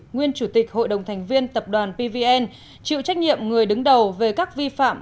nguyên chủ tịch hội đồng thành viên tập đoàn pvn chịu trách nhiệm người đứng đầu về các vi phạm